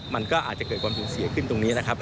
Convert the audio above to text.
มันก็อาจจะเกิดความสูญเสียขึ้นตรงนี้นะครับ